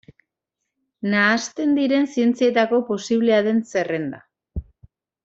Nahasten diren zientzietako posiblea den zerrenda.